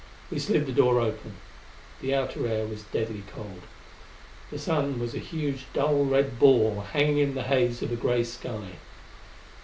We slid the door open. The outer air was deadly cold. The sun was a huge dull red ball hanging in the haze of a grey sky.